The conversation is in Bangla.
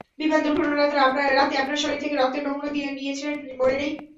বিমান দূর্ঘটনার রাতে আপনার শরীর থেকে রক্তের নমুনা নিয়েছিল মনে নেই?